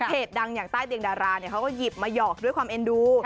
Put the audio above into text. ดังอย่างใต้เตียงดาราเนี่ยเขาก็หยิบมาหยอกด้วยความเอ็นดู